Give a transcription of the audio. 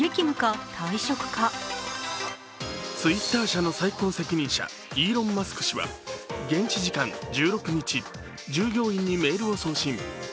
Ｔｗｉｔｔｅｒ社の最高責任者、イーロン・マスク氏は現地時間１６日、従業員にメールを送信。